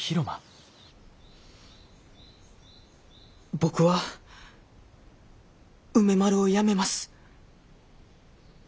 僕は梅丸をやめます。